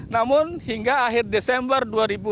namun hingga akhir desember dua ribu delapan belas